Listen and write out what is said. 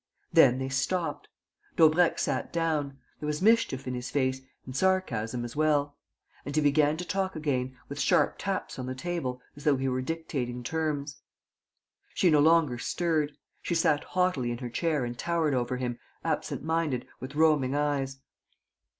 Then they stopped. Daubrecq sat down. There was mischief in his face, and sarcasm as well. And he began to talk again, with sharp taps on the table, as though he were dictating terms. She no longer stirred. She sat haughtily in her chair and towered over him, absent minded, with roaming eyes.